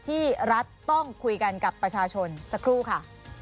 ที่รัฐต้องคุยกันกับประชาชนสักครู่ค่ะ